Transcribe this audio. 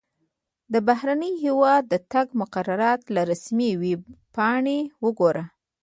د بهرني هیواد د تګ مقررات له رسمي ویبپاڼې وګوره.